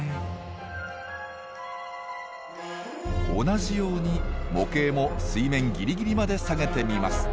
同じように模型も水面ギリギリまで下げてみます。